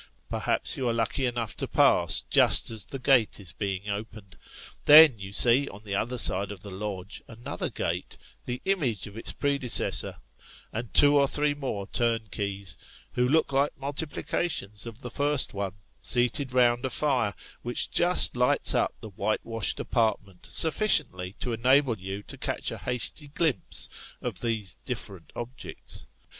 Perhaps you are lucky enough to pass, just as the gate is being opened ; then, you see on the other side of the lodge, another gate, the image of its predecessor, and two or three more turnkeys, who look like multiplications of the first one, seated round a fire which just lights up the whitewashed apartment sufficiently to enable you to catch a hasty glimpse of these different objects.